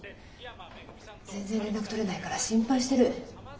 全然連絡取れないから心配してる。